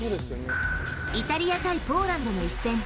イタリア×ポーランドの一戦。